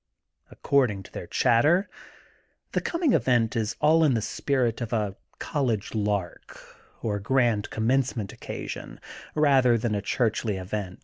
According to their chatter the coining event is all in the spirit of a college lark or grand commencement occasion, rather than a churchly event.